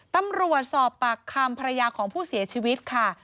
ตำรวจสอบปากคำภรรยาของผู้เสียชีวิตค่ะ